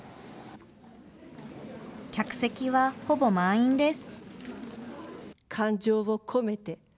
客席はほぼ満員です。